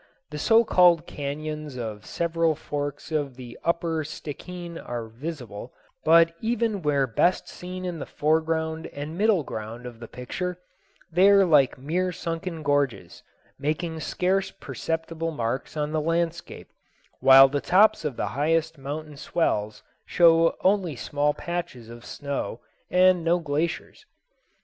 The so called cañons of several forks of the upper Stickeen are visible, but even where best seen in the foreground and middle ground of the picture, they are like mere sunken gorges, making scarce perceptible marks on the landscape, while the tops of the highest mountain swells show only small patches of snow and no glaciers.